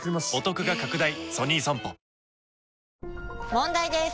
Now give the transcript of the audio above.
問題です！